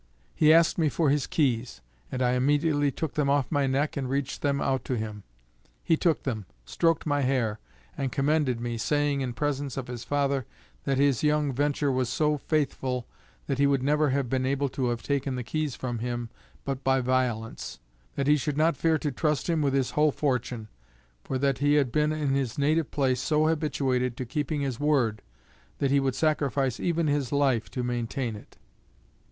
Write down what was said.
He asked me for his keys, and I immediately took them off my neck and reached them out to him. He took them, stroked my hair, and commended me, saying in presence of his father that his young VENTURE was so faithful that he would never have been able to have taken the keys from him but by violence; that he should not fear to trust him with his whole fortune, for that he had been in his native place so habituated to keeping his word, that he would sacrifice even his life to maintain it.